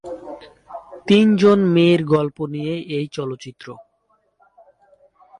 তিন জন মেয়ের গল্প নিয়ে এই চলচ্চিত্র।